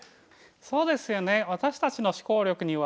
そうですよね。